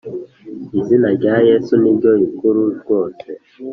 Izina rya yesu niryo rikuru rwose